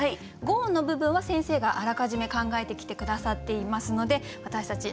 ５音の部分は先生があらかじめ考えてきて下さっていますので私たち